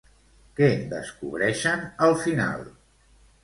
Què descobreixen al final?